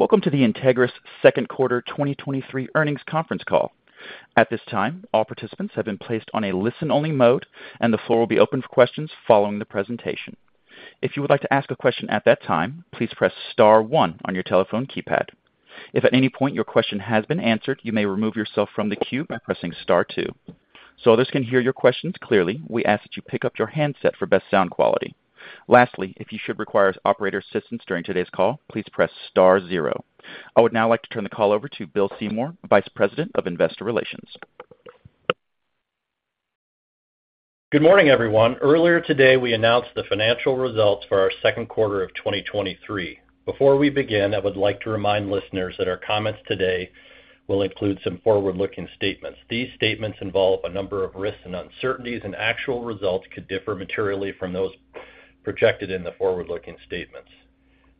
Welcome to the Entegris second quarter 2023 earnings conference call. At this time, all participants have been placed on a listen-only mode. The floor will be open for questions following the presentation. If you would like to ask a question at that time, please press star one on your telephone keypad. If at any point your question has been answered, you may remove yourself from the queue by pressing star two. Others can hear your questions clearly, we ask that you pick up your handset for best sound quality. Lastly, if you should require operator assistance during today's call, please press star zero. I would now like to turn the call over to Bill Seymour, Vice President of Investor Relations. Good morning, everyone. Earlier today, we announced the financial results for our second quarter of 2023. Before we begin, I would like to remind listeners that our comments today will include some forward-looking statements. These statements involve a number of risks and uncertainties, and actual results could differ materially from those projected in the forward-looking statements.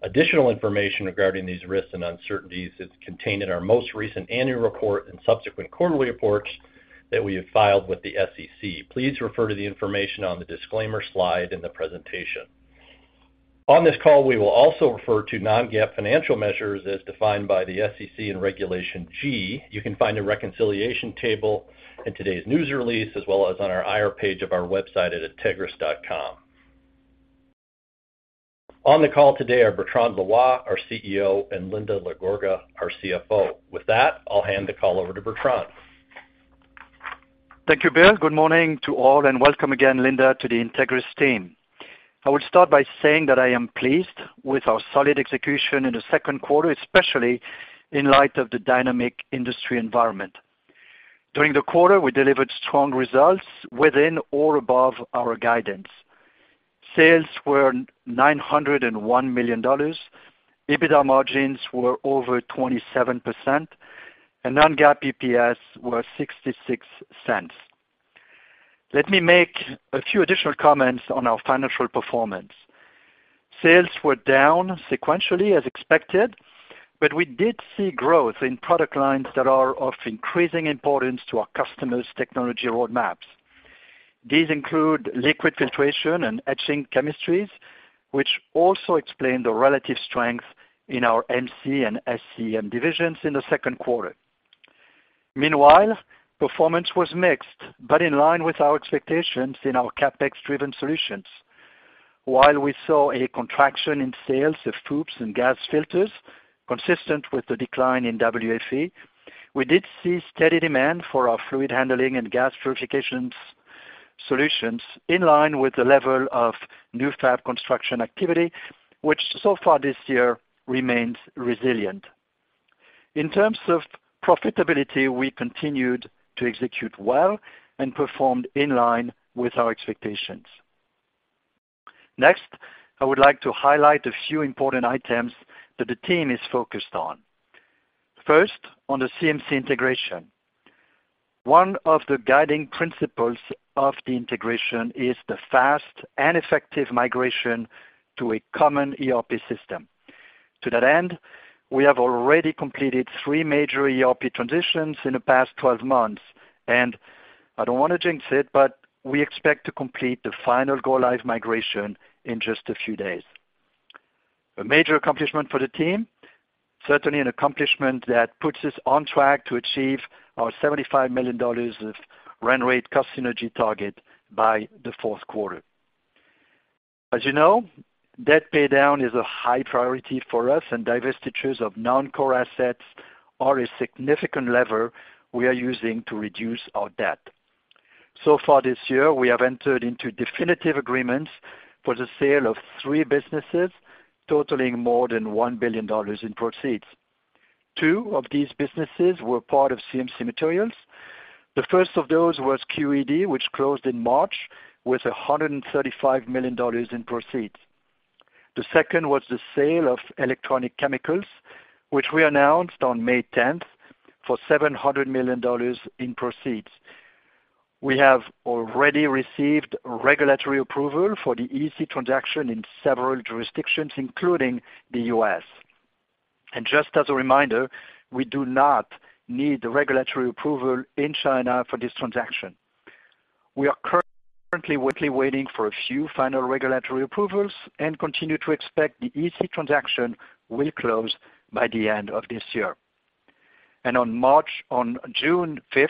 Additional information regarding these risks and uncertainties is contained in our most recent annual report and subsequent quarterly reports that we have filed with the SEC. Please refer to the information on the disclaimer slide in the presentation. On this call, we will also refer to non-GAAP financial measures as defined by the SEC and Regulation G. You can find a reconciliation table in today's news release, as well as on our IR page of our website at entegris.com. On the call today are Bertrand Loy, our CEO, and Linda LaGorga, our CFO. With that, I'll hand the call over to Bertrand. Thank you, Bill. Good morning to all, and welcome again, Linda, to the Entegris team. I would start by saying that I am pleased with our solid execution in the second quarter, especially in light of the dynamic industry environment. During the quarter, we delivered strong results within or above our guidance. Sales were $901 million, EBITDA margins were over 27%, and non-GAAP EPS were $0.66. Let me make a few additional comments on our financial performance. Sales were down sequentially, as expected, but we did see growth in product lines that are of increasing importance to our customers' technology roadmaps. These include liquid filtration and etching chemistries, which also explain the relative strength in our MC and SCEM divisions in the second quarter. Meanwhile, performance was mixed, but in line with our expectations in our CapEx-driven solutions. While we saw a contraction in sales of FOUPs and gas filters, consistent with the decline in WFE, we did see steady demand for our fluid handling and gas purification solutions in line with the level of new fab construction activity, which so far this year remains resilient. In terms of profitability, we continued to execute well and performed in line with our expectations. Next, I would like to highlight a few important items that the team is focused on. First, on the CMC integration. One of the guiding principles of the integration is the fast and effective migration to a common ERP system. To that end, we have already completed three major ERP transitions in the past 12 months, and I don't want to jinx it, but we expect to complete the final go-live migration in just a few days. A major accomplishment for the team, certainly an accomplishment that puts us on track to achieve our $75 million of run rate cost synergy target by the fourth quarter. As you know, debt paydown is a high priority for us, and divestitures of non-core assets are a significant lever we are using to reduce our debt. Far this year, we have entered into definitive agreements for the sale of three businesses, totaling more than $1 billion in proceeds. Two of these businesses were part of CMC Materials. The first of those was QED, which closed in March with $135 million in proceeds. The second was the sale of Electronic Chemicals, which we announced on May 10th for $700 million in proceeds. We have already received regulatory approval for the EC transaction in several jurisdictions, including the U.S. Just as a reminder, we do not need the regulatory approval in China for this transaction. We are currently waiting for a few final regulatory approvals and continue to expect the EC transaction will close by the end of this year. On June 5th,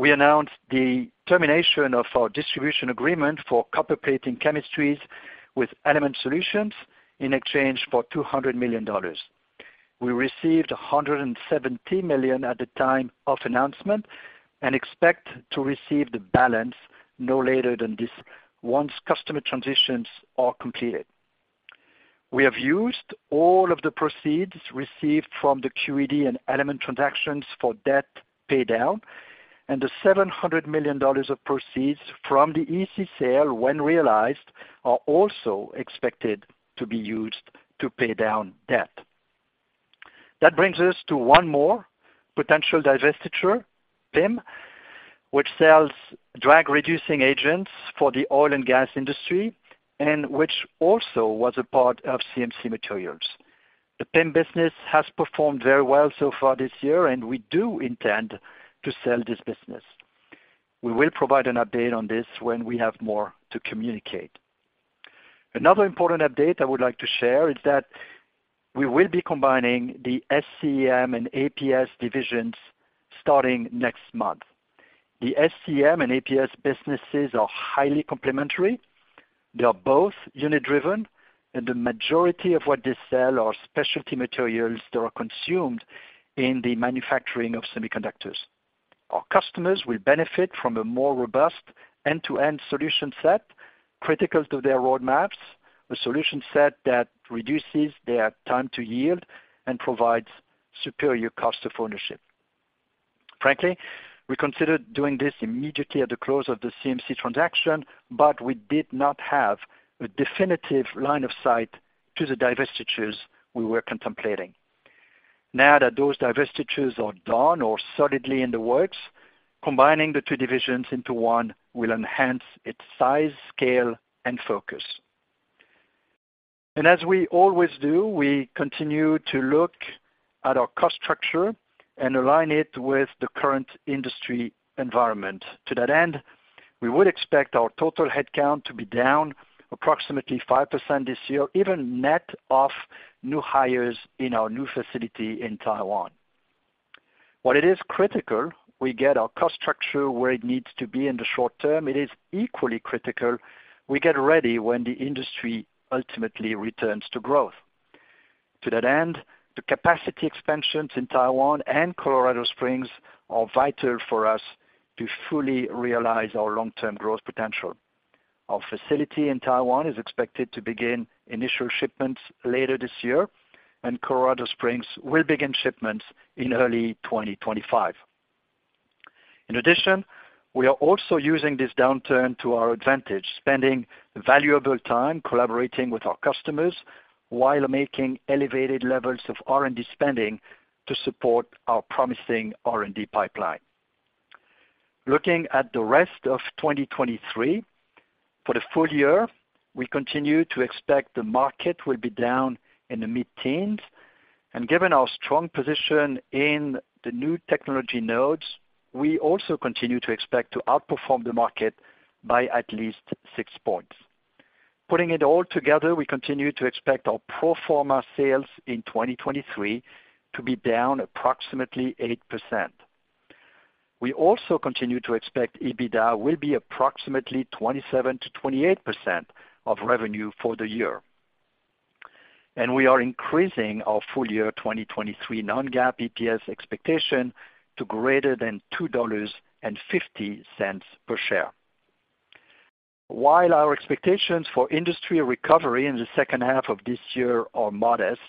we announced the termination of our distribution agreement for copper plating chemistries with Element Solutions in exchange for $200 million. We received $170 million at the time of announcement and expect to receive the balance no later than this, once customer transitions are completed. We have used all of the proceeds received from the QED and Element transactions for debt paydown, and the $700 million of proceeds from the EC sale, when realized, are also expected to be used to pay down debt. That brings us to one more potential divestiture, PIM, which sells drag reducing agents for the oil and gas industry and which also was a part of CMC Materials. The PIM business has performed very well so far this year. We do intend to sell this business. We will provide an update on this when we have more to communicate. Another important update I would like to share is that we will be combining the SCEM and APS divisions starting next month. The SCEM and APS businesses are highly complementary. They are both unit-driven, and the majority of what they sell are specialty materials that are consumed in the manufacturing of semiconductors. Our customers will benefit from a more robust end-to-end solution set, critical to their roadmaps, a solution set that reduces their time to yield and provides superior cost of ownership. Frankly, we considered doing this immediately at the close of the CMC transaction, we did not have a definitive line of sight to the divestitures we were contemplating. Now that those divestitures are done or solidly in the works, combining the two divisions into one will enhance its size, scale, and focus. As we always do, we continue to look at our cost structure and align it with the current industry environment. To that end, we would expect our total headcount to be down approximately 5% this year, even net of new hires in our new facility in Taiwan. While it is critical we get our cost structure where it needs to be in the short term, it is equally critical we get ready when the industry ultimately returns to growth. To that end, the capacity expansions in Taiwan and Colorado Springs are vital for us to fully realize our long-term growth potential. Our facility in Taiwan is expected to begin initial shipments later this year, and Colorado Springs will begin shipments in early 2025. In addition, we are also using this downturn to our advantage, spending valuable time collaborating with our customers while making elevated levels of R&D spending to support our promising R&D pipeline. Looking at the rest of 2023, for the full year, we continue to expect the market will be down in the mid-teens and given our strong position in the new technology nodes, we also continue to expect to outperform the market by at least 6 points. Putting it all together, we continue to expect our pro forma sales in 2023 to be down approximately 8%. We also continue to expect EBITDA will be approximately 27%-28% of revenue for the year. We are increasing our full year 2023 non-GAAP EPS expectation to greater than $2.50 per share. While our expectations for industry recovery in the second half of this year are modest,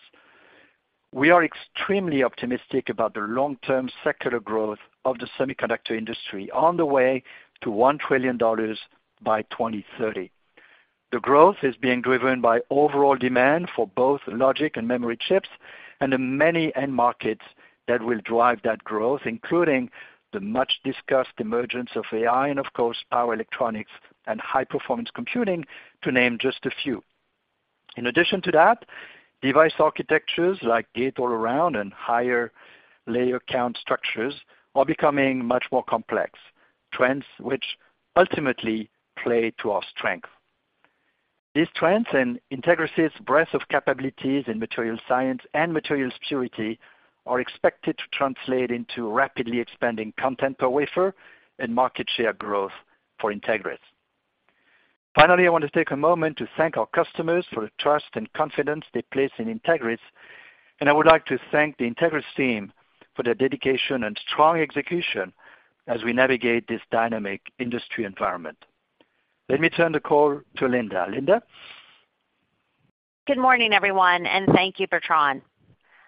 we are extremely optimistic about the long-term secular growth of the semiconductor industry on the way to $1 trillion by 2030. The growth is being driven by overall demand for both logic and memory chips and the many end markets that will drive that growth, including the much-discussed emergence of AI and, of course, power electronics and high-performance computing, to name just a few. In addition to that, device architectures like gate-all-around and higher layer count structures are becoming much more complex, trends which ultimately play to our strength. These trends and Entegris' breadth of capabilities in material science and materials purity are expected to translate into rapidly expanding content per wafer and market share growth for Entegris. I want to take a moment to thank our customers for the trust and confidence they place in Entegris, and I would like to thank the Entegris team for their dedication and strong execution as we navigate this dynamic industry environment. Let me turn the call to Linda. Linda? Good morning, everyone, and thank you, Bertrand.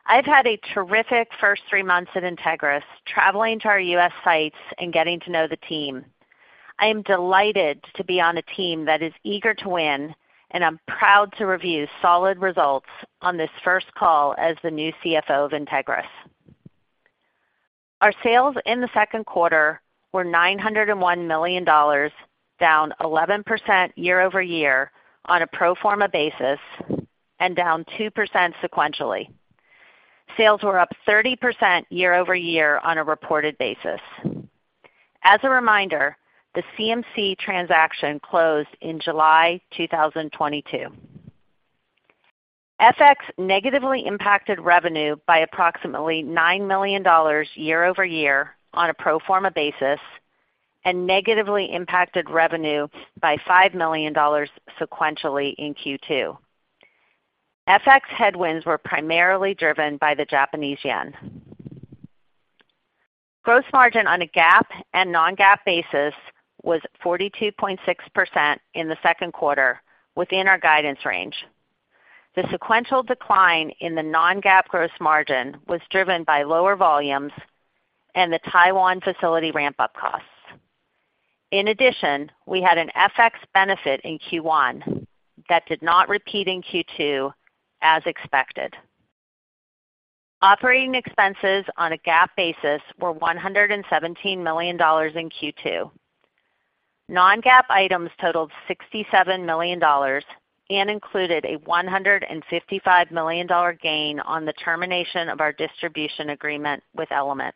I've had a terrific first three months at Entegris, traveling to our U.S. sites and getting to know the team. I am delighted to be on a team that is eager to win, and I'm proud to review solid results on this first call as the new CFO of Entegris. Our sales in the second quarter were $901 million, down 11% year-over-year on a pro forma basis and down 2% sequentially. Sales were up 30% year-over-year on a reported basis. As a reminder, the CMC transaction closed in July 2022. FX negatively impacted revenue by approximately $9 million year-over-year on a pro forma basis and negatively impacted revenue by $5 million sequentially in Q2. FX headwinds were primarily driven by the Japanese yen. Gross margin on a GAAP and non-GAAP basis was 42.6% in the second quarter, within our guidance range. The sequential decline in the non-GAAP gross margin was driven by lower volumes and the Taiwan facility ramp-up costs. In addition, we had an FX benefit in Q1 that did not repeat in Q2 as expected. Operating expenses on a GAAP basis were $117 million in Q2. Non-GAAP items totaled $67 million and included a $155 million gain on the termination of our distribution agreement with Element.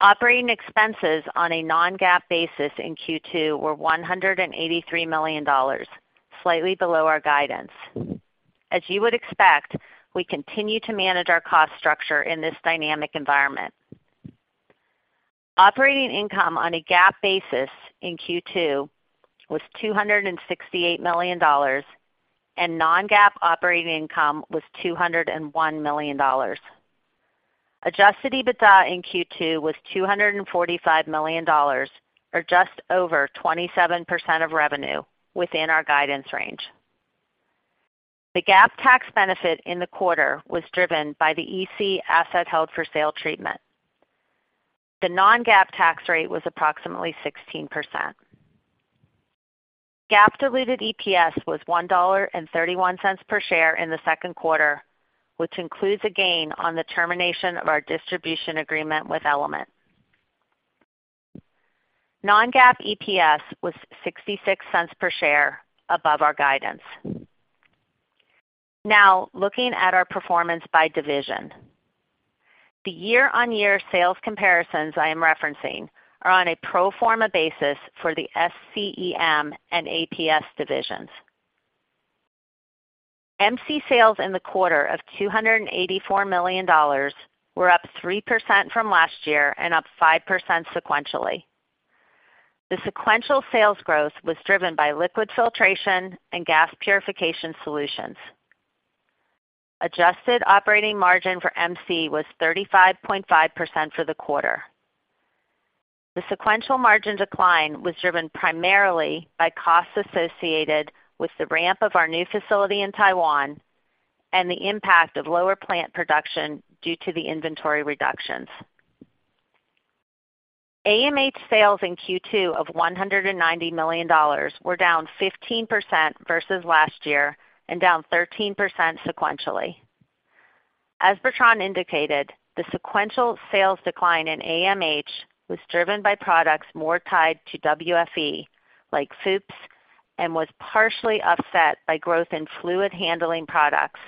Operating expenses on a non-GAAP basis in Q2 were $183 million, slightly below our guidance. As you would expect, we continue to manage our cost structure in this dynamic environment. Operating income on a GAAP basis in Q2 was $268 million, and non-GAAP operating income was $201 million. Adjusted EBITDA in Q2 was $245 million, or just over 27% of revenue within our guidance range. The GAAP tax benefit in the quarter was driven by the EC asset held for sale treatment. The non-GAAP tax rate was approximately 16%. GAAP diluted EPS was $1.31 per share in the second quarter, which includes a gain on the termination of our distribution agreement with Element. Non-GAAP EPS was $0.66 per share above our guidance. Looking at our performance by division. The year-over-year sales comparisons I am referencing are on a pro forma basis for the SCEM and APS divisions. MC sales in the quarter of $284 million were up 3% from last year and up 5% sequentially. The sequential sales growth was driven by liquid filtration and gas purification solutions. Adjusted operating margin for MC was 35.5% for the quarter. The sequential margin decline was driven primarily by costs associated with the ramp of our new facility in Taiwan and the impact of lower plant production due to the inventory reductions. AMH sales in Q2 of $190 million were down 15% versus last year and down 13% sequentially. As Bertrand indicated, the sequential sales decline in AMH was driven by products more tied to WFE, like FOUPs, and was partially upset by growth in fluid handling products,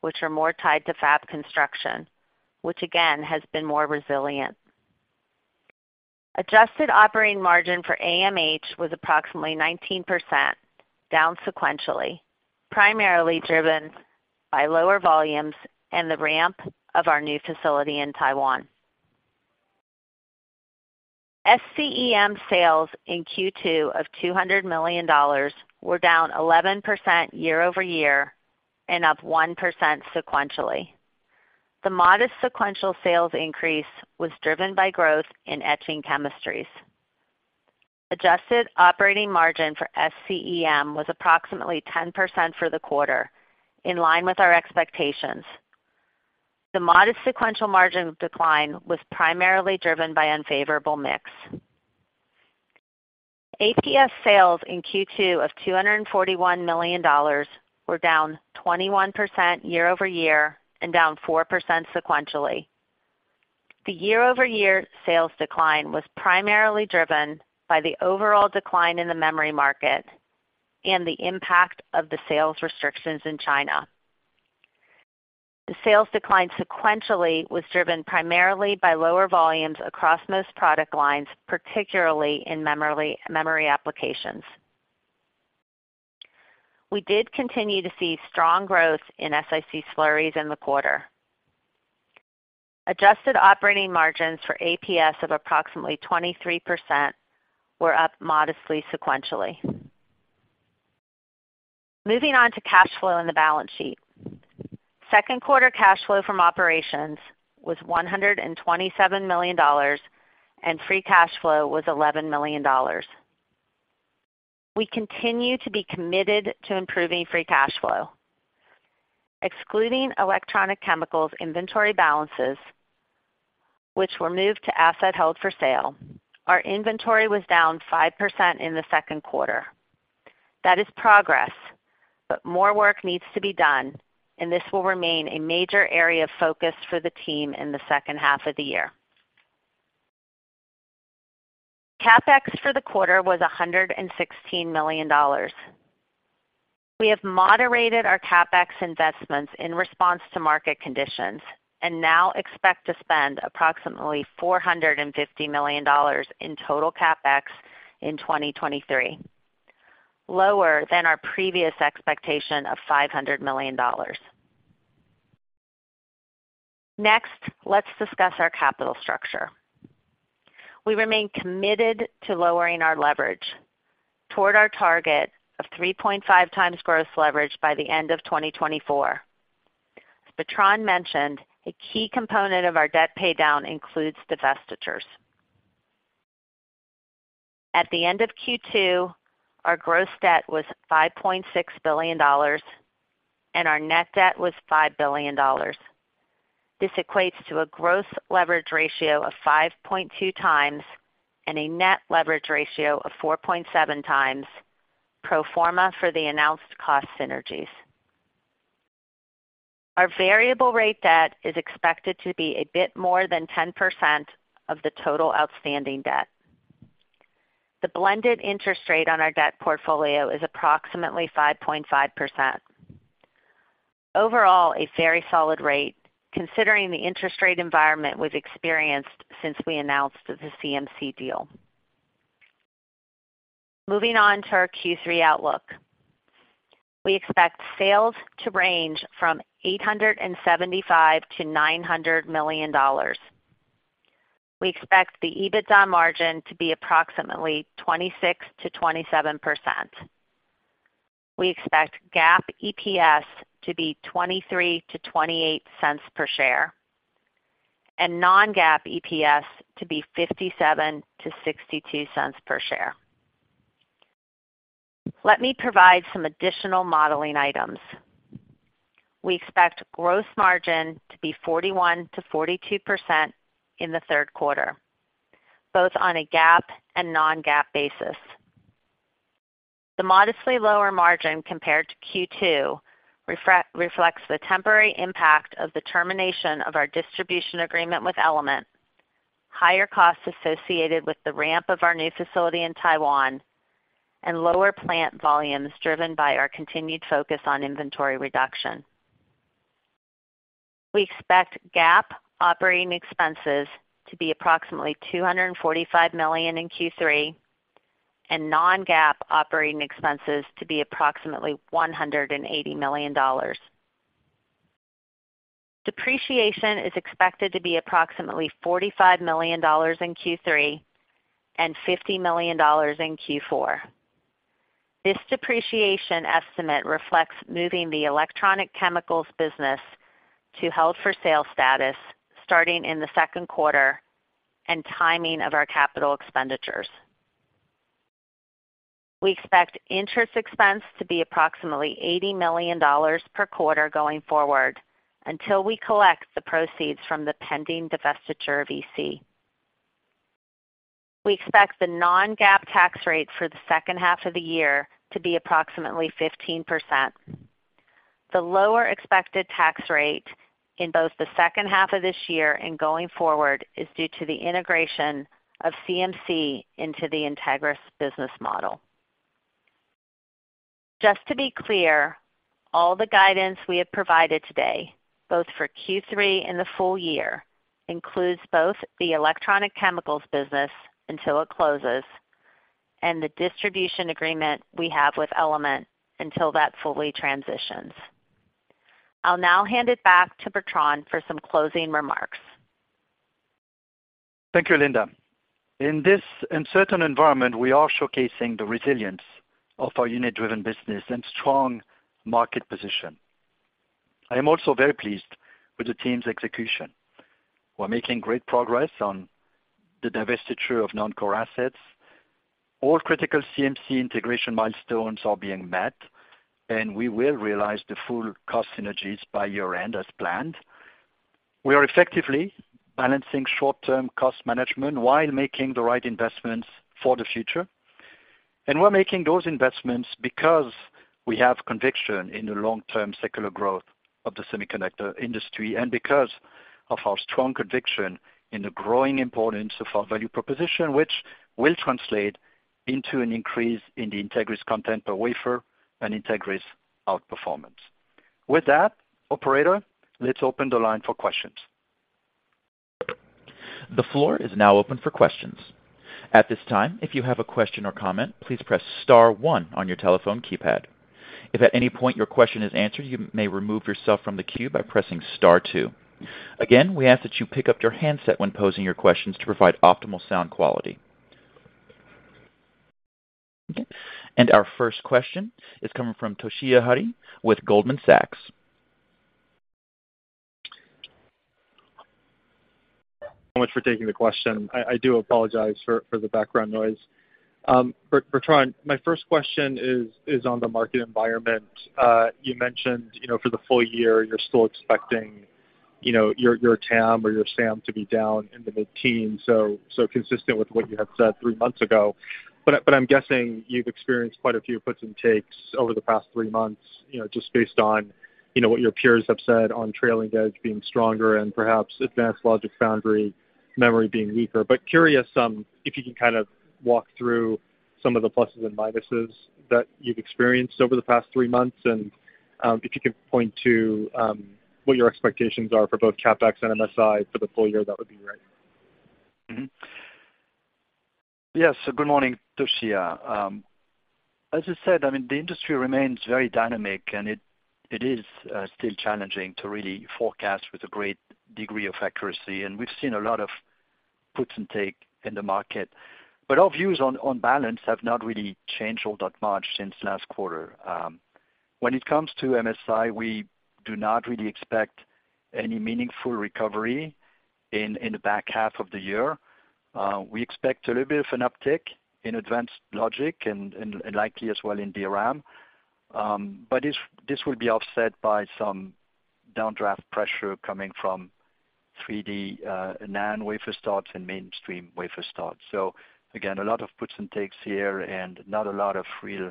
which are more tied to fab construction, which again has been more resilient. Adjusted operating margin for AMH was approximately 19%, down sequentially, primarily driven by lower volumes and the ramp of our new facility in Taiwan. SCEM sales in Q2 of $200 million were down 11% year-over-year and up 1% sequentially. The modest sequential sales increase was driven by growth in etching chemistries. Adjusted operating margin for SCEM was approximately 10% for the quarter, in line with our expectations. The modest sequential margin decline was primarily driven by unfavorable mix. APS sales in Q2 of $241 million were down 21% year-over-year and down 4% sequentially. The year-over-year sales decline was primarily driven by the overall decline in the memory market and the impact of the sales restrictions in China. The sales decline sequentially was driven primarily by lower volumes across most product lines, particularly in memory, memory applications. We did continue to see strong growth in SiC slurries in the quarter. Adjusted operating margins for APS of approximately 23% were up modestly sequentially. Moving on to cash flow in the balance sheet. Second quarter cash flow from operations was $127 million. Free cash flow was $11 million. We continue to be committed to improving free cash flow. Excluding Electronic Chemicals inventory balances, which were moved to asset held-for-sale, our inventory was down 5% in the second quarter. That is progress, but more work needs to be done, and this will remain a major area of focus for the team in the second half of the year. CapEx for the quarter was $116 million. We have moderated our CapEx investments in response to market conditions and now expect to spend approximately $450 million in total CapEx in 2023, lower than our previous expectation of $500 million. Next, let's discuss our capital structure. We remain committed to lowering our leverage toward our target of 3.5x gross leverage by the end of 2024. As Bertrand mentioned, a key component of our debt paydown includes divestitures. At the end of Q2, our gross debt was $5.6 billion, and our net debt was $5 billion. This equates to a gross leverage ratio of 5.2x and a net leverage ratio of 4.7x pro forma for the announced cost synergies. Our variable rate debt is expected to be a bit more than 10% of the total outstanding debt. The blended interest rate on our debt portfolio is approximately 5.5%. Overall, a very solid rate considering the interest rate environment we've experienced since we announced the CMC deal. Moving on to our Q3 outlook. We expect sales to range from $875 million-$900 million. We expect the EBITDA margin to be approximately 26%-27%. We expect GAAP EPS to be $0.23-$0.28 per share, and non-GAAP EPS to be $0.57-$0.62 per share. Let me provide some additional modeling items. We expect gross margin to be 41%-42% in the third quarter, both on a GAAP and non-GAAP basis. The modestly lower margin compared to Q2 reflects the temporary impact of the termination of our distribution agreement with Element, higher costs associated with the ramp of our new facility in Taiwan, and lower plant volumes driven by our continued focus on inventory reduction. We expect GAAP operating expenses to be approximately $245 million in Q3 and non-GAAP operating expenses to be approximately $180 million. Depreciation is expected to be approximately $45 million in Q3 and $50 million in Q4. This depreciation estimate reflects moving the Electronic Chemicals business to held-for-sale status starting in the second quarter and timing of our capital expenditures. We expect interest expense to be approximately $80 million per quarter going forward until we collect the proceeds from the pending divestiture of EC. We expect the non-GAAP tax rate for the second half of the year to be approximately 15%. The lower expected tax rate in both the second half of this year and going forward is due to the integration of CMC into the Entegris business model. Just to be clear, all the guidance we have provided today, both for Q3 and the full year, includes both the Electronic Chemicals business until it closes and the distribution agreement we have with Element until that fully transitions. I'll now hand it back to Bertrand for some closing remarks. Thank you, Linda. In this uncertain environment, we are showcasing the resilience of our unit-driven business and strong market position. I am also very pleased with the team's execution. We're making great progress on the divestiture of non-core assets. All critical CMC integration milestones are being met, and we will realize the full cost synergies by year-end as planned. We are effectively balancing short-term cost management while making the right investments for the future. We're making those investments because we have conviction in the long-term secular growth of the semiconductor industry and because of our strong conviction in the growing importance of our value proposition, which will translate into an increase in the Entegris content per wafer and Entegris outperformance. With that, operator, let's open the line for questions. The floor is now open for questions. At this time, if you have a question or comment, please press star one on your telephone keypad. If at any point your question is answered, you may remove yourself from the queue by pressing star two. Again, we ask that you pick up your handset when posing your questions to provide optimal sound quality. Our first question is coming from Toshiya Hari with Goldman Sachs. So much for taking the question. I do apologize for, for the background noise. Bertrand, my first question is, is on the market environment. You mentioned, you know, for the full year, you're still expecting, you know, your, your TAM or your SAM to be down in the mid-teens, so, so consistent with what you had said three months ago. I'm guessing you've experienced quite a few puts and takes over the past three months, you know, just based on, you know, what your peers have said on trailing edge being stronger and perhaps advanced logic foundry memory being weaker. Curious, if you can kind of walk through some of the pluses and minuses that you've experienced over the past three months, and if you can point to what your expectations are for both CapEx and MSI for the full year, that would be great. Yes. Good morning, Toshiya. As I said, I mean, the industry remains very dynamic, and it, it is still challenging to really forecast with a great degree of accuracy, and we've seen a lot of puts and take in the market. Our views on, on balance have not really changed all that much since last quarter. When it comes to MSI, we do not really expect any meaningful recovery in, in the back half of the year. We expect a little bit of an uptick in advanced logic and, and likely as well in DRAM. This, this will be offset by some downdraft pressure coming from 3D NAND wafer starts and mainstream wafer starts. Again, a lot of puts and takes here, and not a lot of real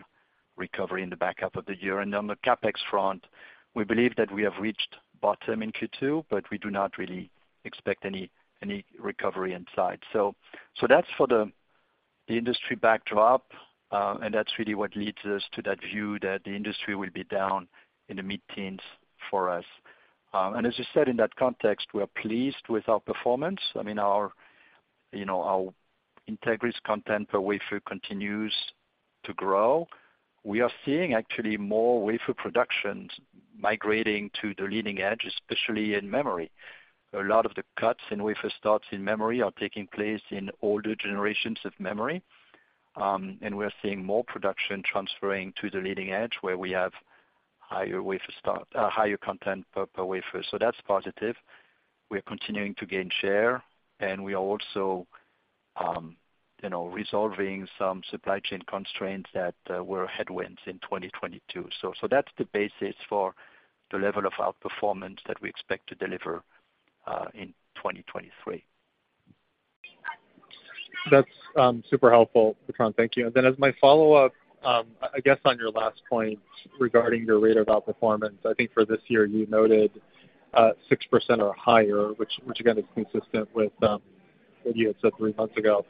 recovery in the back half of the year. On the CapEx front, we believe that we have reached bottom in Q2, but we do not really expect any recovery in sight. That's for the industry backdrop, and that's really what leads us to that view that the industry will be down in the mid-teens for us. As you said, in that context, we are pleased with our performance. I mean, our, you know, our Entegris content per wafer continues to grow. We are seeing actually more wafer productions migrating to the leading edge, especially in memory. A lot of the cuts in wafer starts in memory are taking place in older generations of memory. We are seeing more production transferring to the leading edge, where we have higher wafer start, higher content per wafer. That's positive. We are continuing to gain share, we are also, you know, resolving some supply chain constraints that were headwinds in 2022. So that's the basis for the level of outperformance that we expect to deliver in 2023. That's, super helpful, Bertrand. Thank you. Then as my follow-up, I guess on your last point regarding your rate of outperformance, I think for this year, you noted, 6% or higher, which, which again, is consistent with, what you had said three months ago.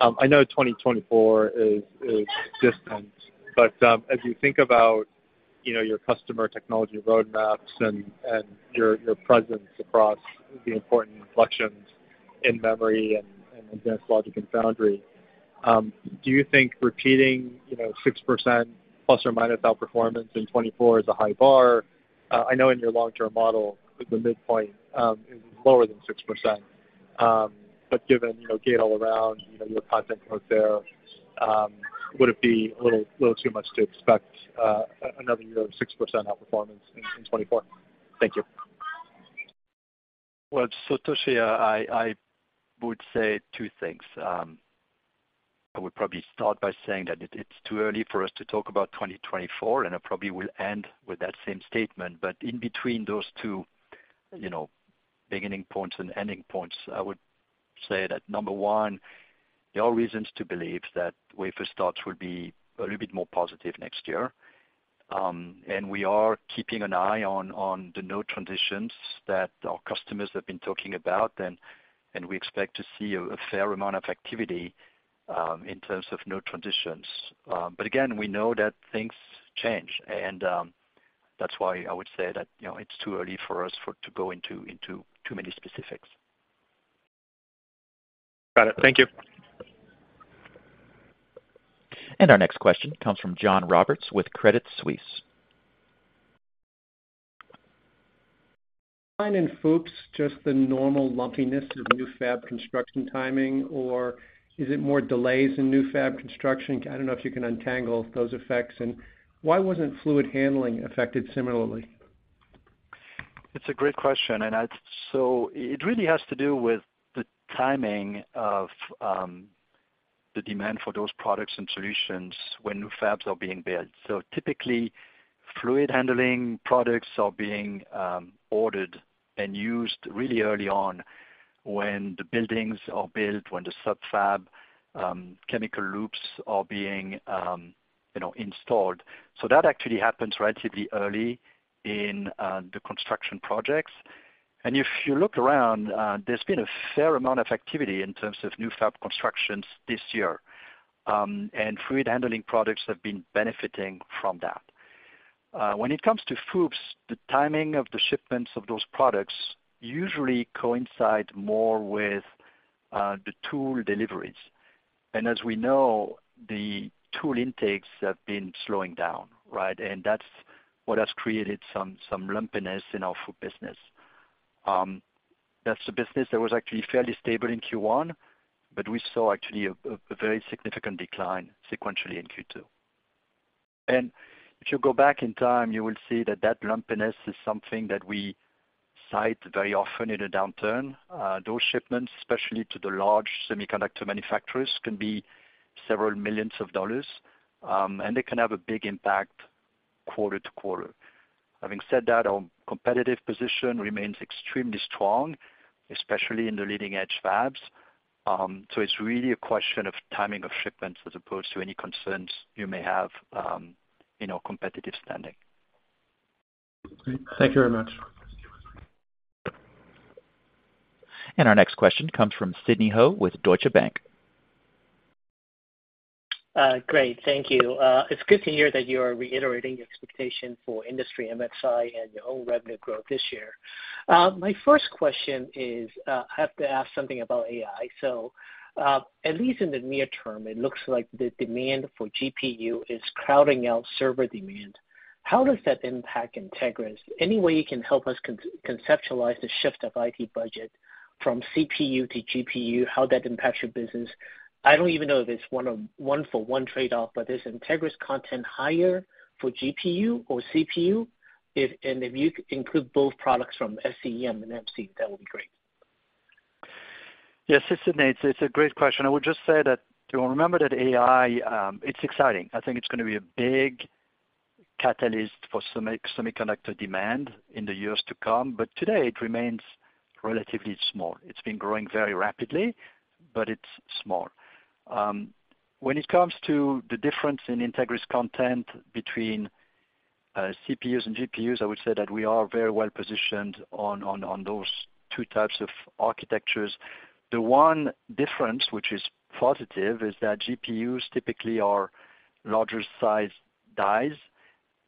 I know 2024 is, is distant, but, as you think about, you know, your customer technology roadmaps and, and your, your presence across the important inflections in memory and, and advanced logic and foundry, do you think repeating, you know, 6% ± outperformance in 2024 is a high bar? I know in your long-term model, the midpoint, is lower than 6%. Given, you know, gate-all-around, you know, your content growth there, would it be a little, little too much to expect, another year of 6% outperformance in, in 2024? Thank you. Well, Toshiya, I would say two things. I would probably start by saying that it, it's too early for us to talk about 2024, and I probably will end with that same statement. In between those two, you know, beginning points and ending points, I would say that, number one, there are reasons to believe that wafer starts will be a little bit more positive next year. We are keeping an eye on the node transitions that our customers have been talking about, and we expect to see a, a fair amount of activity in terms of node transitions. Again, we know that things change, and that's why I would say that, you know, it's too early for us to go into too many specifics. Got it. Thank you. Our next question comes from John Roberts with Credit Suisse. In FOUPs, just the normal lumpiness of the new fab construction timing, or is it more delays in new fab construction? I don't know if you can untangle those effects. Why wasn't fluid handling affected similarly? It's a great question. It really has to do with the timing of the demand for those products and solutions when new fabs are being built. Typically, fluid handling products are being ordered and used really early on when the buildings are built, when the sub-fab chemical loops are being, you know, installed. That actually happens relatively early in the construction projects. If you look around, there's been a fair amount of activity in terms of new fab constructions this year. Fluid handling products have been benefiting from that. When it comes to FOUPs, the timing of the shipments of those products usually coincide more with the tool deliveries. As we know, the tool intakes have been slowing down, right? That's what has created some, some lumpiness in our FOUP business. That's a business that was actually fairly stable in Q1, but we saw actually a, a, a very significant decline sequentially in Q2. If you go back in time, you will see that that lumpiness is something that we cite very often in a downturn. Those shipments, especially to the large semiconductor manufacturers, can be several millions of dollars, and they can have a big impact quarter to quarter. Having said that, our competitive position remains extremely strong, especially in the leading-edge fabs. It's really a question of timing of shipments as opposed to any concerns you may have in our competitive standing. Great. Thank you very much. Our next question comes from Sidney Ho with Deutsche Bank. Great. Thank you. It's good to hear that you are reiterating your expectation for industry MSI and your own revenue growth this year. My first question is, I have to ask something about AI. At least in the near term, it looks like the demand for GPU is crowding out server demand. How does that impact Entegris? Any way you can help us conceptualize the shift of IT budget from CPU to GPU, how that impacts your business? I don't even know if it's one of, one for one trade-off, but is Entegris content higher for GPU or CPU? If you could include both products from SCEM and MC, that would be great. Yes, it's a great question. I would just say that, you know, remember that AI, it's exciting. I think it's gonna be a big catalyst for semiconductor demand in the years to come, but today it remains relatively small. It's been growing very rapidly, but it's small. When it comes to the difference in Entegris content between CPUs and GPUs, I would say that we are very well positioned on, on, on those two types of architectures. The one difference, which is positive, is that GPUs typically are larger size dies.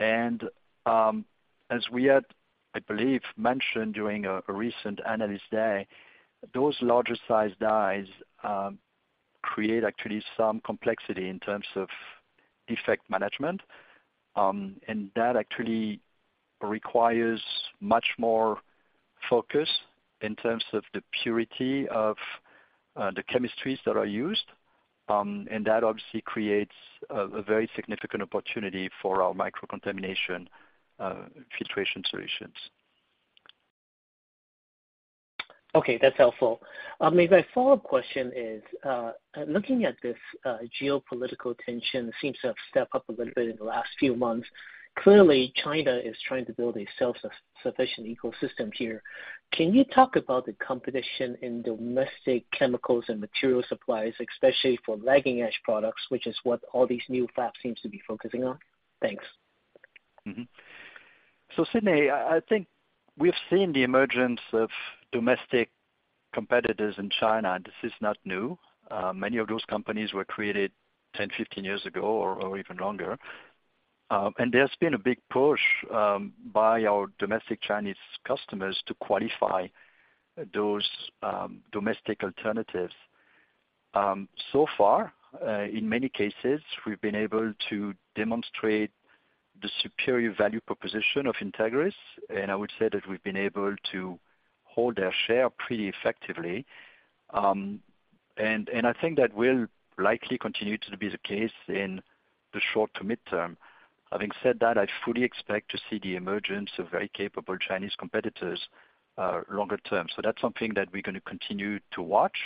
And, as we had, I believe, mentioned during a recent Analyst Day, those larger size dies create actually some complexity in terms of defect management. And that actually requires much more focus in terms of the purity of the chemistries that are used. That obviously creates a very significant opportunity for our microcontamination filtration solutions. Okay, that's helpful. My follow-up question is, looking at this, geopolitical tension seems to have stepped up a little bit in the last few months. Clearly, China is trying to build a self-sufficient ecosystem here. Can you talk about the competition in domestic chemicals and material supplies, especially for lagging edge products, which is what all these new fabs seems to be focusing on? Thanks. Sidney, I, I think we've seen the emergence of domestic competitors in China. This is not new. Many of those companies were created 10, 15 years ago, or, or even longer. There's been a big push by our domestic Chinese customers to qualify those domestic alternatives. So far, in many cases, we've been able to demonstrate the superior value proposition of Entegris. I would say that we've been able to hold our share pretty effectively. I think that will likely continue to be the case in the short to mid-term. Having said that, I fully expect to see the emergence of very capable Chinese competitors longer term. That's something that we're gonna continue to watch.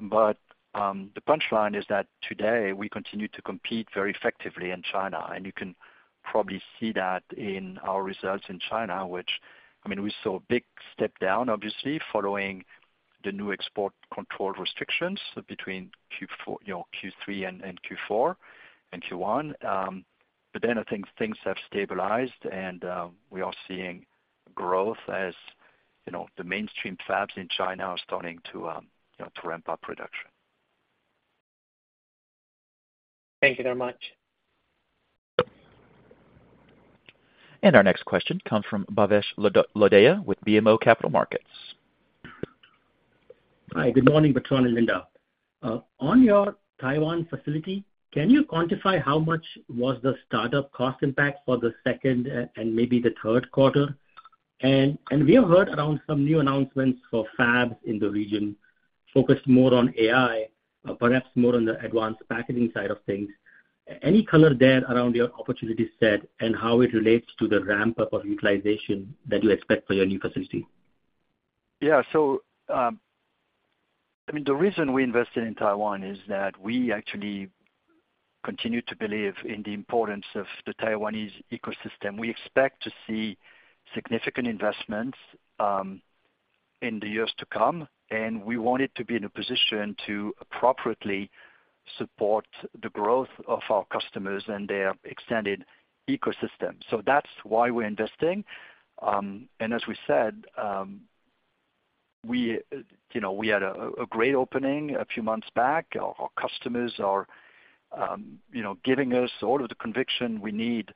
The punchline is that today, we continue to compete very effectively in China. You can probably see that in our results in China, which, I mean, we saw a big step down, obviously, following the new export control restrictions between you know, Q3 and Q4 and Q1. Then I think things have stabilized, and we are seeing growth as, you know, the mainstream fabs in China are starting to, you know, to ramp up production. Thank you very much. Our next question comes from Bhavesh Lodaya, with BMO Capital Markets. Hi, good morning, Bertrand and Linda. On your Taiwan facility, can you quantify how much was the startup cost impact for the second, and maybe the third quarter? We have heard around some new announcements for fabs in the region, focused more on AI, perhaps more on the advanced packaging side of things. Any color there around your opportunity set and how it relates to the ramp-up of utilization that you expect for your new facility? Yeah. I mean, the reason we invested in Taiwan is that we actually continue to believe in the importance of the Taiwanese ecosystem. We expect to see significant investments in the years to come, and we wanted to be in a position to appropriately support the growth of our customers and their extended ecosystem. That's why we're investing. And as we said, we, you know, we had a great opening a few months back. Our, our customers are, you know, giving us all of the conviction we need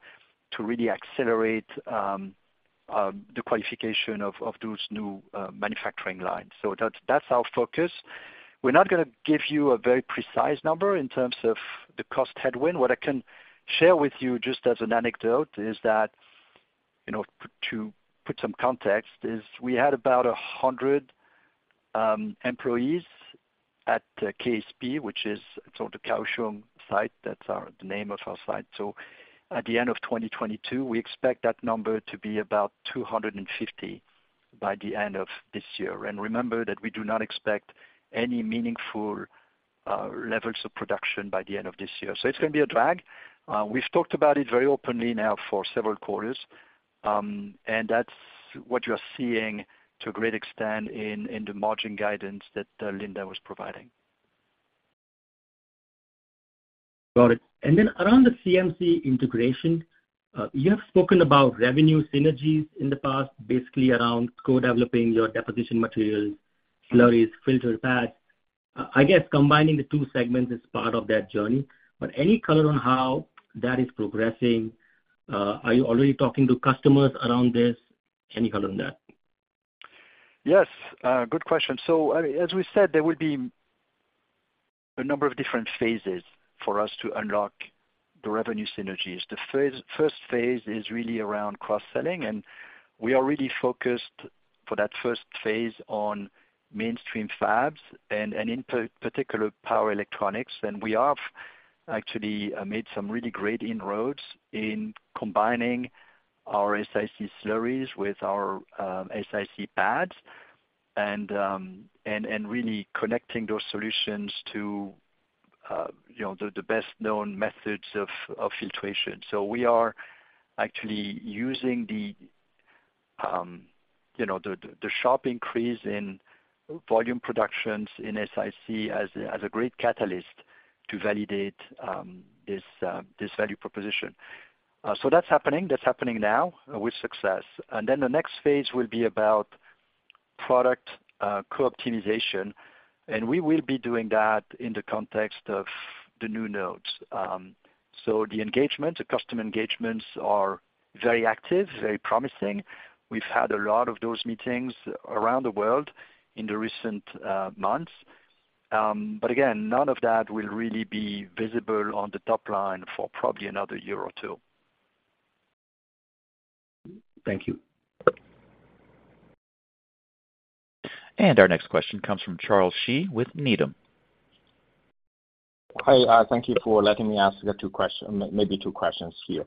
to really accelerate the qualification of those new manufacturing lines. That's, that's our focus. We're not gonna give you a very precise number in terms of the cost headwind. What I can share with you, just as an anecdote, is that, you know, to put some context, is we had about 100 employees at KSP, which is sort of the Kaohsiung site. That's our- the name of our site. At the end of 2022, we expect that number to be about 250 by the end of this year. Remember that we do not expect any meaningful levels of production by the end of this year. It's gonna be a drag. We've talked about it very openly now for several quarters. That's what you're seeing to a great extent in, in the margin guidance that Linda was providing. Got it. Then around the CMC integration, you have spoken about revenue synergies in the past, basically around co-developing your deposition materials, slurries, filter pads. I guess combining the two segments is part of that journey, but any color on how that is progressing? Are you already talking to customers around this? Any color on that? Yes, good question. As we said, there will be a number of different phases for us to unlock the revenue synergies. The first phase is really around cross-selling, and we are really focused for that first phase on mainstream fabs and, in particular, power electronics. We are actually made some really great inroads in combining our SiC slurries with our SiC pads, and and really connecting those solutions to, you know, the best-known methods of filtration. We are actually using the, you know, the sharp increase in volume productions in SiC as a great catalyst to validate this value proposition. That's happening. That's happening now with success. Then the next phase will be about product co-optimization, and we will be doing that in the context of the new nodes. The engagement, the customer engagements are very active, very promising. We've had a lot of those meetings around the world in the recent months. Again, none of that will really be visible on the top line for probably another year or two. Thank you. Our next question comes from Charles Shi with Needham. Hi, thank you for letting me ask the two question- maybe two questions here.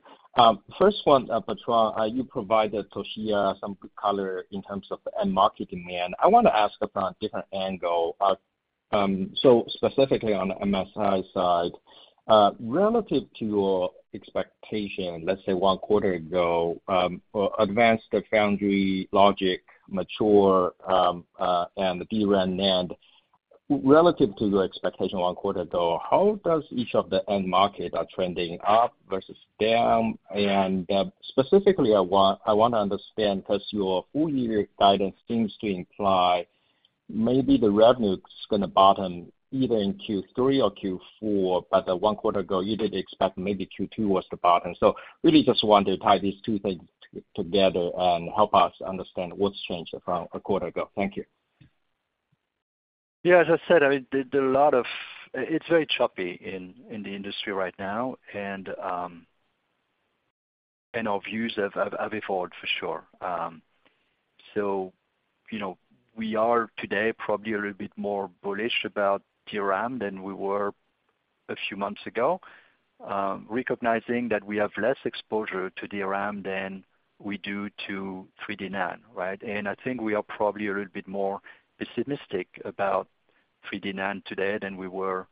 First one, Bertrand, you provided Toshiya some good color in terms of end market demand. I want to ask about a different angle. Specifically, on the MSI side, relative to your expectation, let's say, one quarter ago, or advanced foundry logic, mature, and DRAM NAND, relative to your expectation one quarter ago, how does each of the end market are trending up versus down? Specifically, I want, I want to understand, because your full year guidance seems to imply maybe the revenue is gonna bottom either in Q3 or Q4, but one quarter ago, you did expect maybe Q2 was the bottom. Really just want to tie these two things to-together and help us understand what's changed from a quarter ago. Thank you. Yeah, as I said, I mean, there, there are a lot of... it's very choppy in, in the industry right now, and our views have, have, have evolved for sure. You know, we are today probably a little bit more bullish about DRAM than we were a few months ago, recognizing that we have less exposure to DRAM than we do to 3D NAND, right? I think we are probably a little bit more pessimistic about 3D NAND today than we were,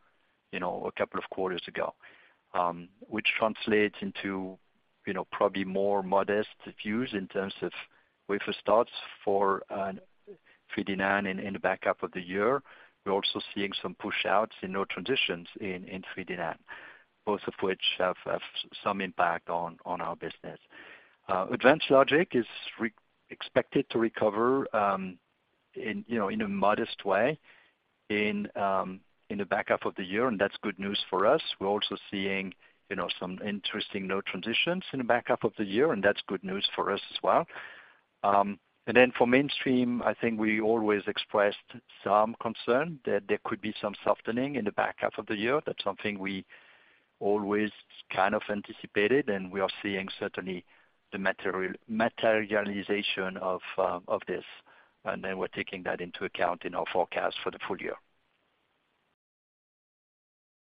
you know, a couple of quarters ago. Which translates into, you know, probably more modest views in terms of wafer starts for 3D NAND in, in the back half of the year. We're also seeing some pushouts in node transitions in, in 3D NAND, both of which have, have some impact on, on our business. Advanced logic is expected to recover, in, you know, in a modest way in the back half of the year, and that's good news for us. We're also seeing, you know, some interesting node transitions in the back half of the year, and that's good news for us as well. Then for mainstream, I think we always expressed some concern that there could be some softening in the back half of the year. That's something we always kind of anticipated, and we are seeing certainly the materialization of, of this, and then we're taking that into account in our forecast for the full year.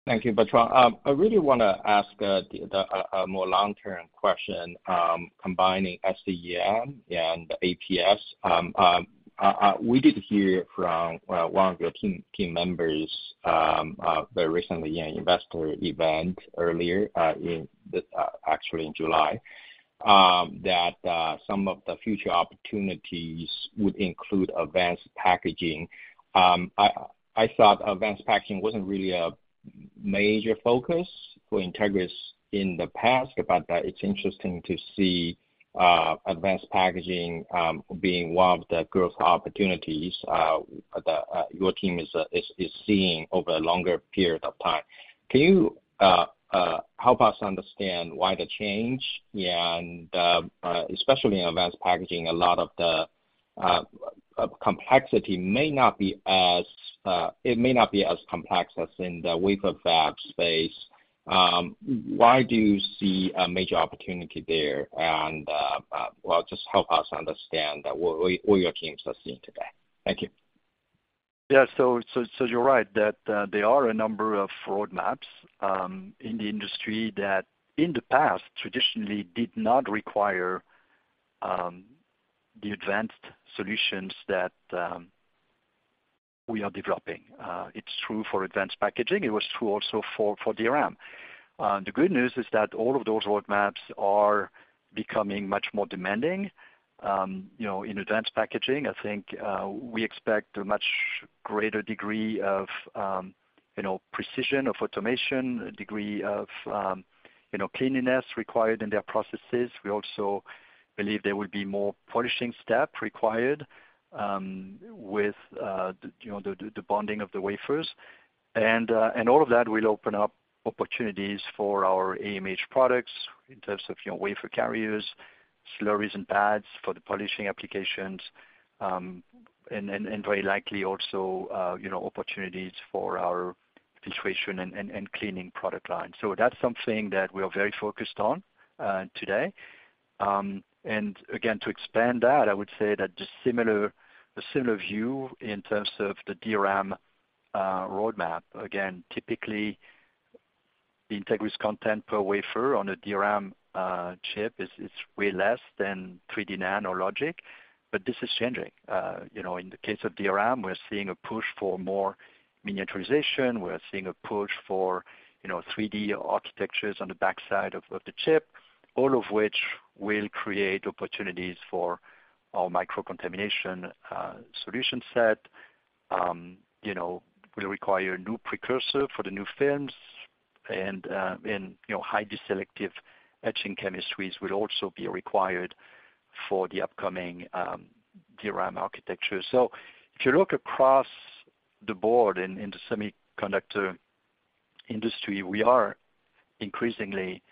Thank you, Bertrand. I really wanna ask a more long-term question, combining SCEM and APS. We did hear from one of your team members, very recently in an investor event earlier, actually in July, that some of the future opportunities would include advanced packaging. I thought advanced packaging wasn't really a major focus for Entegris in the past, but, it's interesting to see advanced packaging being one of the growth opportunities, that, your team is seeing over a longer period of time. Can you, help us understand why the change? Especially in advanced packaging, a lot of the complexity may not be as, it may not be as complex as in the wafer fab space. Why do you see a major opportunity there? Well, just help us understand, what, what your teams are seeing today. Thank you. Yeah. You're right, that there are a number of roadmaps in the industry that, in the past, traditionally did not require the advanced solutions that we are developing. It's true for advanced packaging. It was true also for DRAM. The good news is that all of those roadmaps are becoming much more demanding. You know, in advanced packaging, I think, we expect a much greater degree of, you know, precision, of automation, a degree of, you know, cleanliness required in their processes. We also believe there will be more polishing step required, with, you know, the bonding of the wafers. All of that will open up opportunities for our AMH products in terms of, you know, wafer carriers, slurries and pads for the polishing applications, and very likely also, you know, opportunities for our filtration and cleaning product line. That's something that we are very focused on today. Again, to expand that, I would say that the similar, the similar view in terms of the DRAM roadmap, again, typically, the Entegris content per wafer on a DRAM chip is way less than 3D NAND or logic, but this is changing. You know, in the case of DRAM, we're seeing a push for more miniaturization. We're seeing a push for, you know, 3D architectures on the backside of, of the chip, all of which will create opportunities for our microcontamination solution set. You know, will require new precursor for the new films and, and, you know, highly selective etching chemistries will also be required for the upcoming DRAM architecture. If you look across the board in, in the semiconductor industry, we are increasingly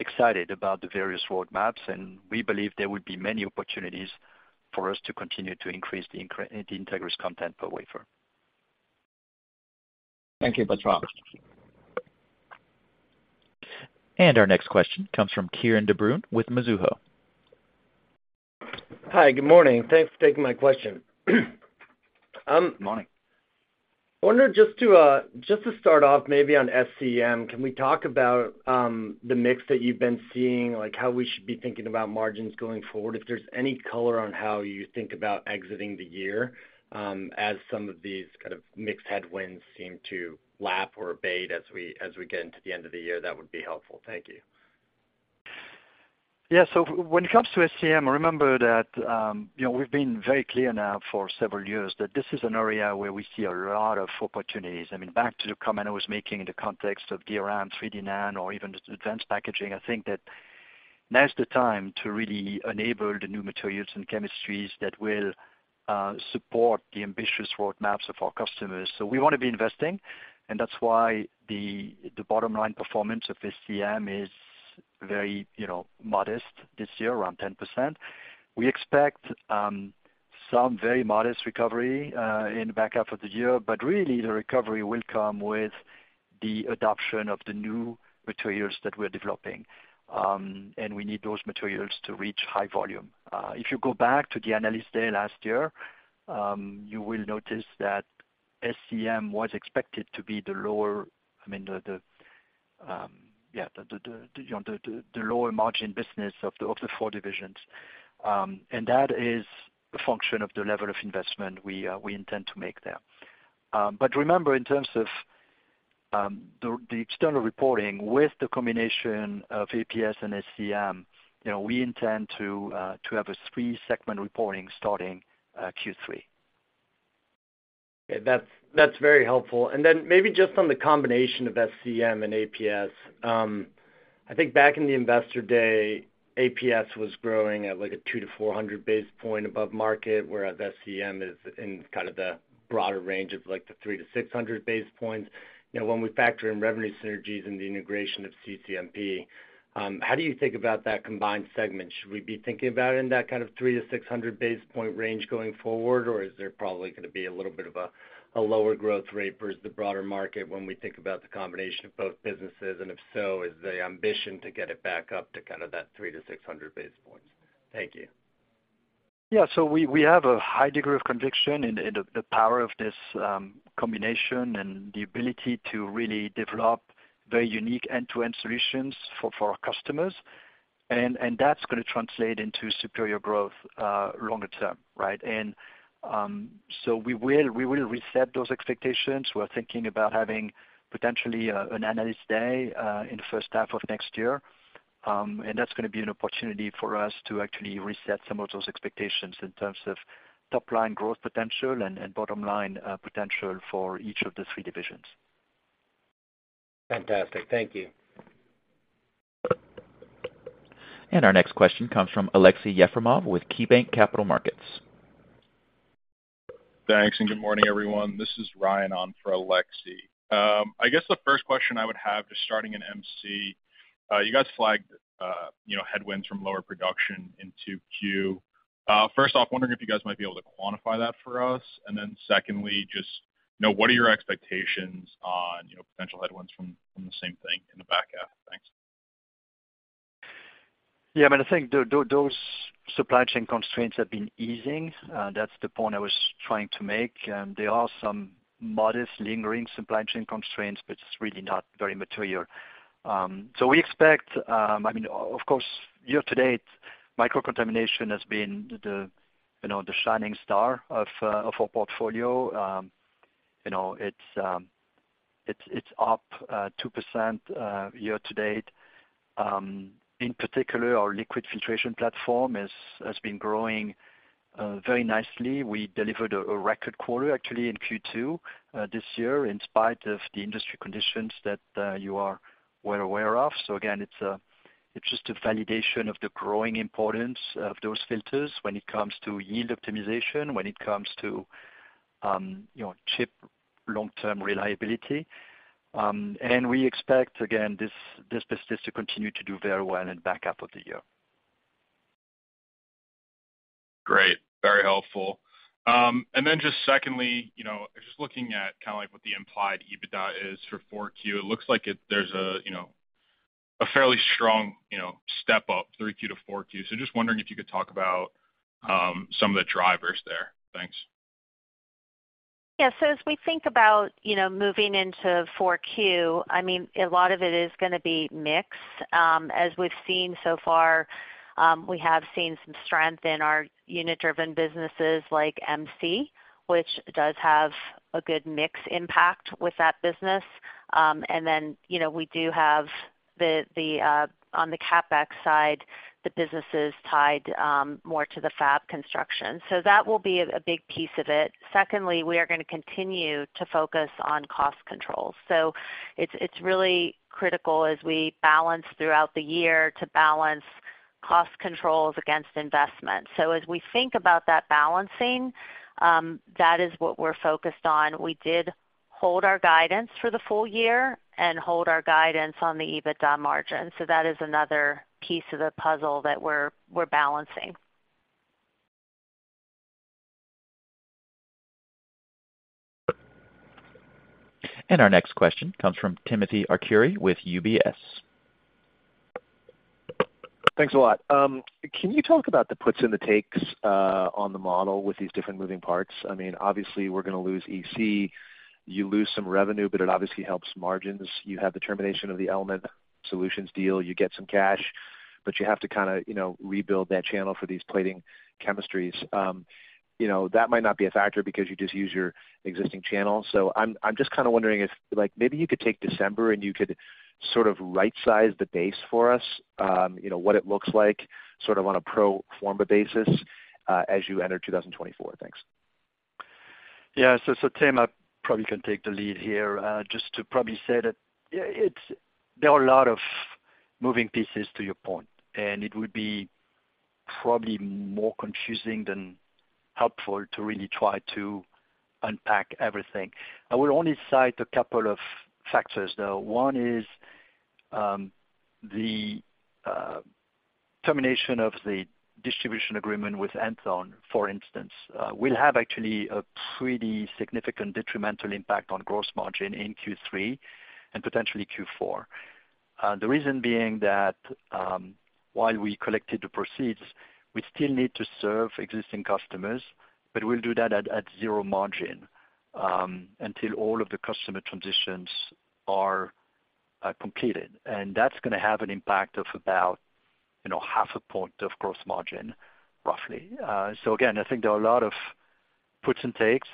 excited about the various roadmaps, and we believe there will be many opportunities for us to continue to increase the Entegris content per wafer. Thank you, Bertrand. Our next question comes from Kieran de Brun with Mizuho. Hi, good morning. Thanks for taking my question. Good morning. I wonder just to, just to start off, maybe on SCEM, can we talk about the mix that you've been seeing, like how we should be thinking about margins going forward? If there's any color on how you think about exiting the year, as some of these kind of mixed headwinds seem to lap or abate as we get into the end of the year, that would be helpful. Thank you. Yeah, when it comes to SCM, remember that, you know, we've been very clear now for several years that this is an area where we see a lot of opportunities. I mean, back to the comment I was making in the context of DRAM, 3D NAND, or even just advanced packaging, I think that now is the time to really enable the new materials and chemistries that will support the ambitious roadmaps of our customers. We want to be investing, and that's why the, the bottom line performance of SCM is very, you know, modest this year, around 10%. We expect some very modest recovery in the back half of the year, but really, the recovery will come with the adoption of the new materials that we're developing. We need those materials to reach high volume. If you go back to the Analyst Day last year, you will notice that SCEM was expected to be the lower, I mean, the, the, you know, the, the lower margin business of the, of the four divisions. That is a function of the level of investment we intend to make there. Remember, in terms of the external reporting, with the combination of APS and SCEM, you know, we intend to have a three-segment reporting starting Q3. Okay, that's, that's very helpful. Then maybe just on the combination of SCEM and APS. I think back in the Analyst Day, APS was growing at, like, a 200-400 basis point above market, whereas SCEM is in kind of the broader range of, like, the 300-600 basis points. You know, when we factor in revenue synergies and the integration of CCMP, how do you think about that combined segment? Should we be thinking about it in that kind of 300-600 basis point range going forward, or is there probably gonna be a little bit of a, a lower growth rate versus the broader market when we think about the combination of both businesses? If so, is the ambition to get it back up to kind of that 300-600 basis points? Thank you. Yeah, we, we have a high degree of conviction in, in the, the power of this combination and the ability to really develop very unique end-to-end solutions for, for our customers. And that's gonna translate into superior growth longer term, right? We will, we will reset those expectations. We're thinking about having potentially an Analyst Day in the first half of next year. That's gonna be an opportunity for us to actually reset some of those expectations in terms of top line growth potential and, and bottom line potential for each of the three divisions. Fantastic. Thank you. Our next question comes from Aleksey Yefremov with KeyBanc Capital Markets. Thanks. Good morning, everyone. This is Ryan on for Aleksey. I guess the first question I would have, just starting in MC, you guys flagged, you know, headwinds from lower production in 2Q. First off, wondering if you guys might be able to quantify that for us. Then secondly, just, you know, what are your expectations on, you know, potential headwinds from, from the same thing in the back half? Thanks. Yeah, I mean, I think those supply chain constraints have been easing, that's the point I was trying to make. There are some modest lingering supply chain constraints, but it's really not very material. We expect, I mean, of course, year to date, microcontamination has been the, you know, the shining star of our portfolio. You know, it's, it's up 2% year to date. In particular, our liquid filtration platform has been growing very nicely. We delivered a record quarter, actually, in Q2 this year, in spite of the industry conditions that you are well aware of. Again, it's just a validation of the growing importance of those filters when it comes to yield optimization, when it comes to, you know, chip long-term reliability. We expect, again, this, this business to continue to do very well in the back half of the year. Great, very helpful. Then just secondly, you know, just looking at kind of like what the implied EBITDA is for 4Q, it looks like there's a, you know, a fairly strong, you know, step up 3Q to 4Q. Just wondering if you could talk about some of the drivers there. Thanks. Yeah. As we think about, you know, moving into Q4, I mean, a lot of it is gonna be mix. As we've seen so far, we have seen some strength in our unit-driven businesses like MC, which does have a good mix impact with that business. Then, you know, we do have the, the on the CapEx side, the businesses tied more to the fab construction. That will be a big piece of it. Secondly, we are gonna continue to focus on cost controls. It's, it's really critical as we balance throughout the year, to balance cost controls against investment. As we think about that balancing, that is what we're focused on. We did hold our guidance for the full year and hold our guidance on the EBITDA margin, that is another piece of the puzzle that we're balancing. Our next question comes from Timothy Arcuri with UBS. Thanks a lot. Can you talk about the puts and the takes on the model with these different moving parts? I mean, obviously, we're gonna lose EC. You lose some revenue, but it obviously helps margins. You have the termination of the Element Solutions deal. You get some cash, but you have to kind of, you know, rebuild that channel for these plating chemistries. You know, that might not be a factor because you just use your existing channel. I'm, I'm just kind of wondering if, like, maybe you could take December, and you could sort of rightsize the base for us. You know, what it looks like, sort of on a pro forma basis, as you enter 2024. Thanks. Yeah. So, Tim, I probably can take the lead here. Just to probably say that, yeah, it's there are a lot of moving pieces to your point, and it would be probably more confusing than helpful to really try to unpack everything. I will only cite a couple of factors, though. One is the termination of the distribution agreement with Enthone, for instance, will have actually a pretty significant detrimental impact on gross margin in Q3 and potentially Q4. The reason being that, while we collected the proceeds, we still need to serve existing customers, but we'll do that at, at zero margin, until all of the customer transitions are completed. That's gonna have an impact of about, you know, 0.5 points of gross margin, roughly. Again, I think there are a lot of puts and takes.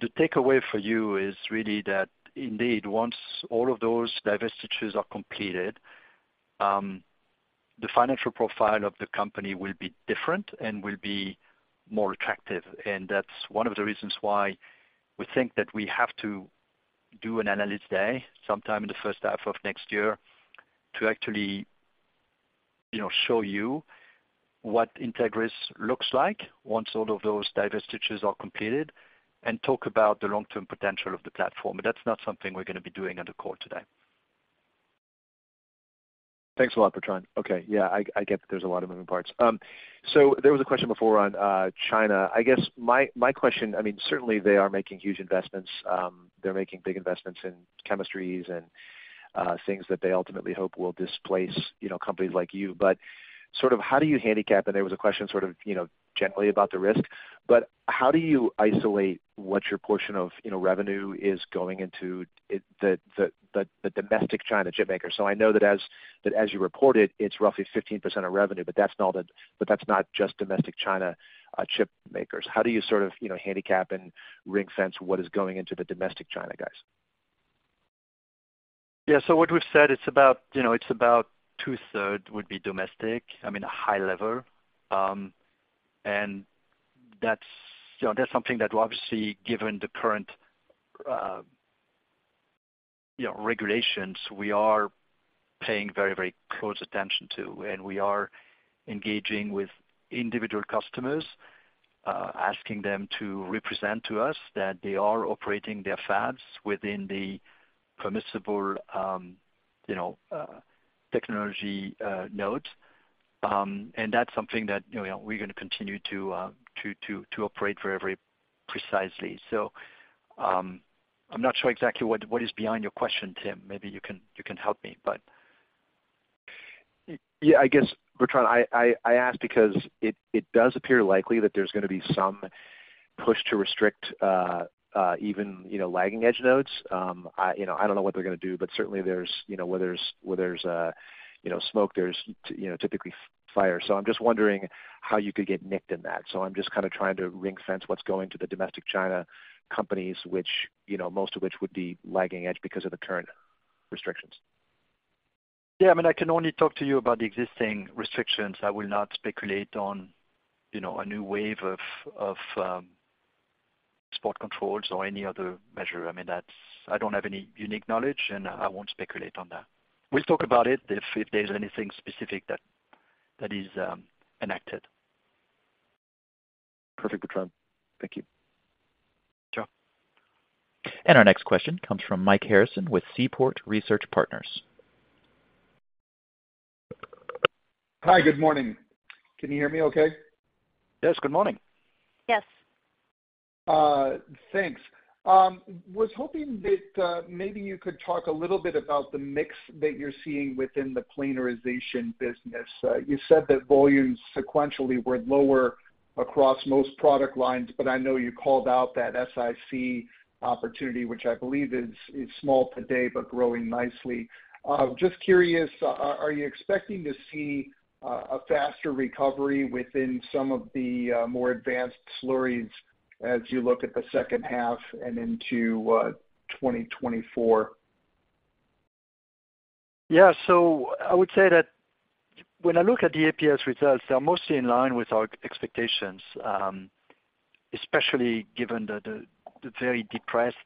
The takeaway for you is really that indeed, once all of those divestitures are completed, the financial profile of the company will be different and will be more attractive. That's one of the reasons why we think that we have to do an Analyst Day sometime in the first half of next year to actually, you know, show you what Entegris looks like once all of those divestitures are completed, and talk about the long-term potential of the platform. That's not something we're gonna be doing on the call today. Thanks a lot, Bertrand. Okay. Yeah, I, I get that there's a lot of moving parts. There was a question before on China. I guess my, my question. I mean, certainly they are making huge investments. They're making big investments in chemistries and things that they ultimately hope will displace, you know, companies like you. Sort of how do you handicap? There was a question sort of, you know, generally about the risk, but how do you isolate what your portion of, you know, revenue is going into the domestic China chipmaker? I know that as you reported, it's roughly 15% of revenue, but that's not just domestic China chip makers. How do you sort of, you know, handicap and ring-fence what is going into the domestic China guys? Yeah. What we've said, it's about, you know, it's about two third would be domestic, I mean, a high level. And that's, you know, that's something that obviously, given the current, you know, regulations, we are paying very, very close attention to, and we are engaging with individual customers, asking them to represent to us that they are operating their fabs within the permissible, you know, technology nodes. And that's something that, you know, we're gonna continue to operate very, very precisely. I'm not sure exactly what, what is behind your question, Tim. Maybe you can help me, but... Yeah, I guess, Bertrand, I ask because it, it does appear likely that there's gonna be some push to restrict, even, you know, lagging edge nodes. I, you know, I don't know what they're gonna do, but certainly there's, you know, where there's, where there's, you know, smoke, there's, you know, typically fire. I'm just wondering how you could get nicked in that. I'm just kind of trying to ring-fence what's going to the domestic China companies, which, you know, most of which would be lagging edge because of the current restrictions. Yeah, I mean, I can only talk to you about the existing restrictions. I will not speculate on, you know, a new wave of, of, export controls or any other measure. I mean, that's. I don't have any unique knowledge, and I won't speculate on that. We'll talk about it if, if there's anything specific that, that is enacted. Perfect, Bertrand. Thank you. Our next question comes from Mike Harrison with Seaport Research Partners. Hi, good morning. Can you hear me okay? Yes, good morning. Yes. Thanks. Was hoping that maybe you could talk a little bit about the mix that you're seeing within the planarization business. You said that volumes sequentially were lower across most product lines, but I know you called out that SiC opportunity, which I believe is, is small today, but growing nicely. Just curious, are you expecting to see a faster recovery within some of the more advanced slurries as you look at the second half and into 2024? I would say that when I look at the APS results, they are mostly in line with our expectations, especially given the very depressed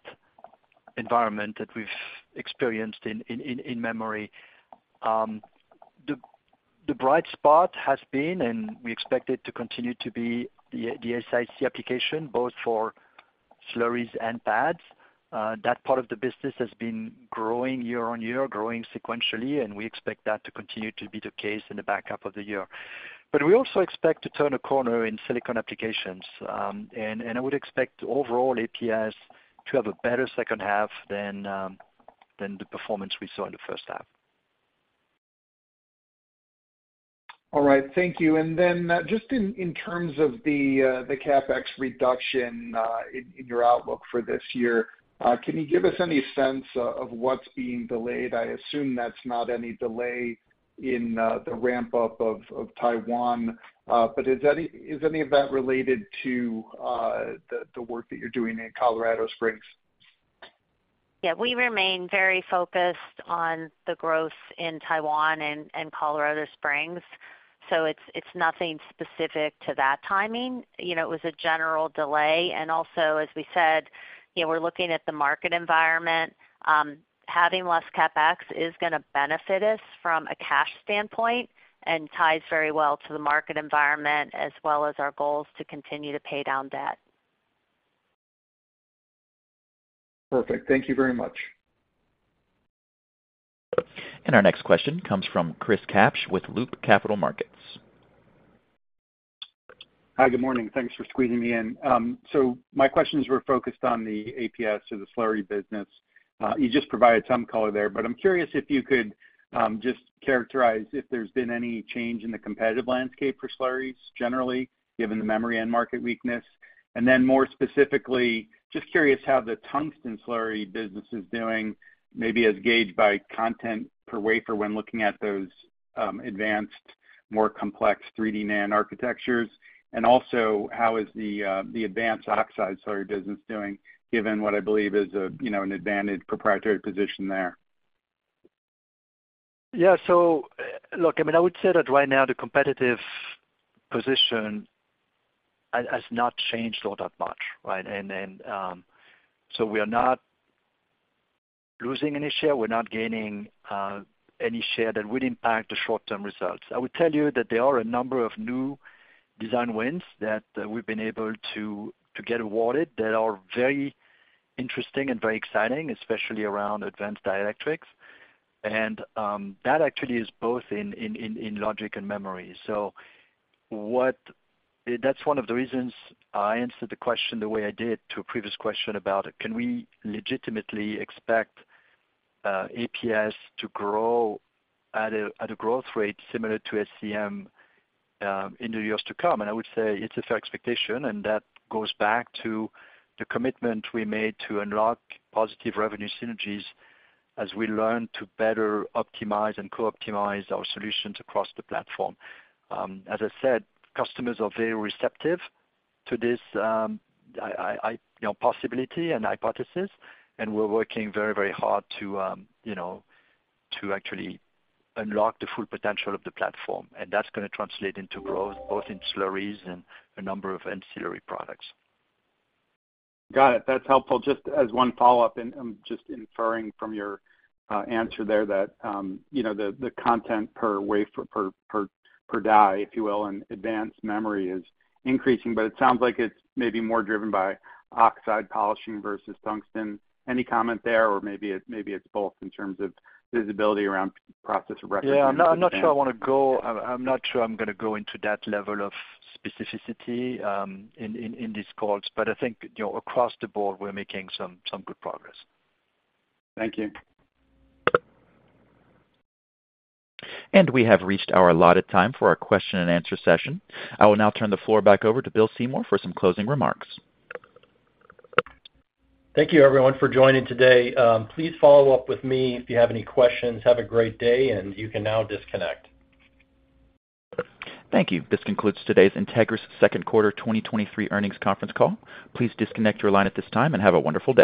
environment that we've experienced in memory. The bright spot has been, and we expect it to continue to be, the SiC application, both for slurries and pads. That part of the business has been growing year-on-year, growing sequentially, and we expect that to continue to be the case in the back half of the year. We also expect to turn a corner in silicon applications. I would expect overall APS to have a better second half than the performance we saw in the first half. All right, thank you. Then, just in terms of the CapEx reduction, in your outlook for this year, can you give us any sense of what's being delayed? I assume that's not any delay in the ramp-up of Taiwan, but is any of that related to the work that you're doing in Colorado Springs? Yeah. We remain very focused on the growth in Taiwan and Colorado Springs, so it's, it's nothing specific to that timing. You know, it was a general delay. Also, as we said, you know, we're looking at the market environment. Having less CapEx is gonna benefit us from a cash standpoint and ties very well to the market environment, as well as our goals to continue to pay down debt. Perfect. Thank you very much. Our next question comes from Chris Kapsch with Loop Capital Markets. Hi, good morning. Thanks for squeezing me in. So my questions were focused on the APS or the slurry business. You just provided some color there, but I'm curious if you could just characterize if there's been any change in the competitive landscape for slurries generally, given the memory and market weakness? Then more specifically, just curious how the tungsten slurry business is doing, maybe as gauged by content per wafer when looking at those advanced, more complex 3D NAND architectures. Also, how is the advanced oxide slurry business doing, given what I believe is a, you know, an advantage proprietary position there? Yeah. Look, I mean, I would say that right now the competitive position has, has not changed all that much, right? Then we are not losing any share, we're not gaining any share that would impact the short-term results. I would tell you that there are a number of new design wins that we've been able to, to get awarded, that are very interesting and very exciting, especially around advanced dielectrics, and that actually is both in, in, in, in logic and memory. That's one of the reasons I answered the question the way I did to a previous question about, can we legitimately expect APS to grow at a, at a growth rate similar to SCEM in the years to come? I would say it's a fair expectation, and that goes back to the commitment we made to unlock positive revenue synergies as we learn to better optimize and co-optimize our solutions across the platform. As I said, customers are very receptive to this, you know, possibility and hypothesis, and we're working very, very hard to, you know, to actually unlock the full potential of the platform, and that's gonna translate into growth, both in slurries and a number of ancillary products. Got it. That's helpful. Just as one follow-up, and I'm just inferring from your answer there, that, you know, the, the content per wafer, per, per, per die, if you will, and advanced memory is increasing, but it sounds like it's maybe more driven by oxide polishing versus tungsten. Any comment there, or maybe maybe it's both in terms of visibility around process of record? Yeah. I'm, I'm not sure I want to go... I, I'm not sure I'm gonna go into that level of specificity, in, in, in this calls, but I think, you know, across the board, we're making some, some good progress. Thank you. We have reached our allotted time for our question-and-answer session. I will now turn the floor back over to Bill Seymour for some closing remarks. Thank you everyone for joining today. Please follow up with me if you have any questions. Have a great day, and you can now disconnect. Thank you. This concludes today's Entegris second quarter 2023 earnings conference call. Please disconnect your line at this time and have a wonderful day.